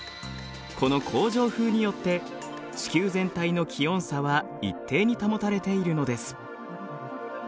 この恒常風によって地球全体の気温差は一定に保たれているのです。